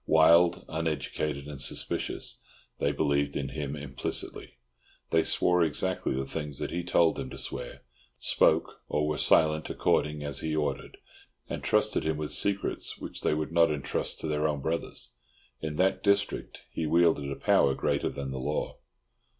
Wild, uneducated, and suspicious, they believed in him implicitly. They swore exactly the things that he told them to swear, spoke or were silent according as he ordered, and trusted him with secrets which they would not entrust to their own brothers. In that district he wielded a power greater than the law.